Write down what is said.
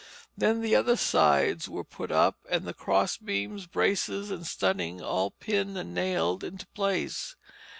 Then the other sides were put up, and the cross beams, braces, and studding all pinned and nailed into place.